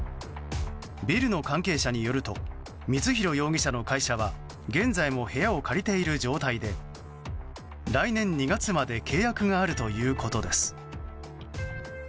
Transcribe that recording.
ビルの関係者によると光弘容疑者の会社は現在も部屋を借りている状態で来年２月まで契約があるということです。